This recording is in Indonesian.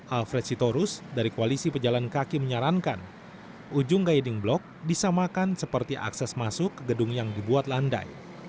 alfred sitorus dari koalisi pejalan kaki menyarankan ujung guiding block disamakan seperti akses masuk ke gedung yang dibuat landai